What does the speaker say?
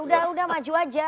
sudah maju saja